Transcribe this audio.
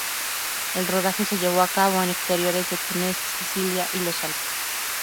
El rodaje se llevó a cabo en exteriores de Túnez, Sicilia y los Alpes.